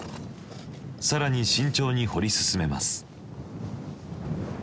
更に慎重に掘り進めます。